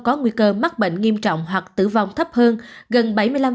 có nguy cơ mắc bệnh nghiêm trọng hoặc tử vong thấp hơn gần bảy mươi năm